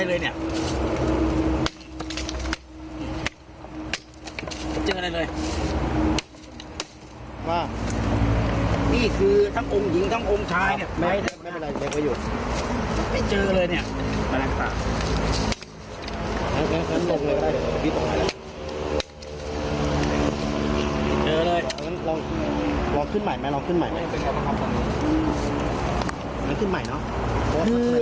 เพราะว่าทำไมต้องใส่ภาพ